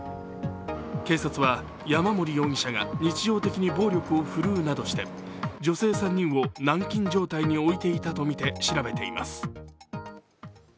警察は、山森容疑者が日常的に暴力を振るうなどして女性３人を軟禁状態に置いていたとみて調べています。